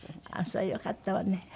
それはよかったわね。